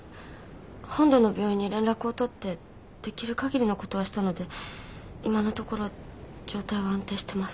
本土の病院に連絡を取ってできるかぎりのことはしたので今のところ状態は安定してます。